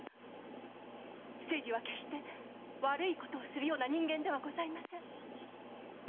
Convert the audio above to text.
清次は決して悪いことをするような人間ではありません。